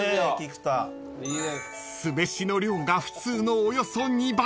［酢飯の量が普通のおよそ２倍］